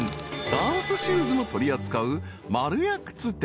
ダンスシューズも取り扱う］